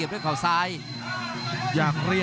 รับทราบบรรดาศักดิ์